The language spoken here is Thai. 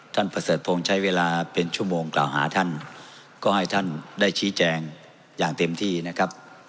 ประเสริฐพงศ์ใช้เวลาเป็นชั่วโมงกล่าวหาท่านก็ให้ท่านได้ชี้แจงอย่างเต็มที่นะครับ